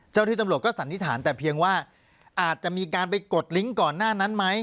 ที่ตำรวจก็สันนิษฐานแต่เพียงว่าอาจจะมีการไปกดลิงก์ก่อนหน้านั้นไหม